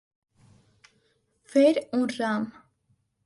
Fer un ram.